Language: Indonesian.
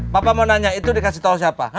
papa mau nanya itu dikasih tahu siapa